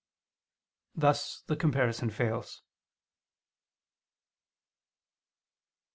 Thus the comparison fails.